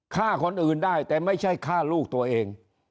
ฆ่าคนอื่นได้แต่ไม่ใช่ฆ่าลูกตัวเอง